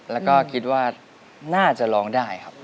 แล้วก็คิดว่าน่าจะร้องได้ครับ